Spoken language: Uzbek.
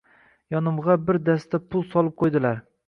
Yonimg‘a bir dasta pul solib qo‘ydilar